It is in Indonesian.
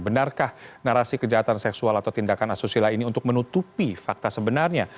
benarkah narasi kejahatan seksual atau tindakan asusila ini untuk menutupi fakta sebenarnya